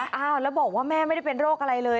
อ้าวแล้วบอกว่าแม่ไม่ได้เป็นโรคอะไรเลย